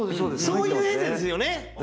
そういう絵ですよね。